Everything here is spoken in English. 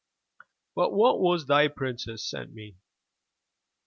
"But what has thy princess sent me?"